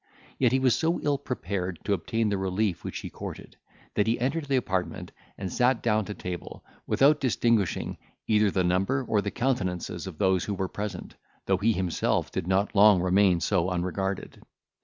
Yet he was so ill prepared to obtain the relief which he courted, that he entered the apartment, and sat down to table, without distinguishing either the number or countenances of those who were present, though he himself did not long remain so unregarded.